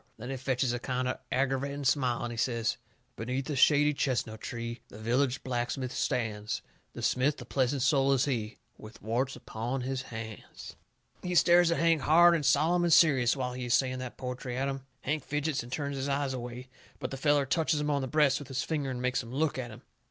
Then he fetches a kind o' aggervating smile, and he says: "Beneath a shady chestnut tree The village blacksmith stands. The smith, a pleasant soul is he With warts upon his hands " He stares at Hank hard and solemn and serious while he is saying that poetry at him. Hank fidgets and turns his eyes away. But the feller touches him on the breast with his finger, and makes him look at him.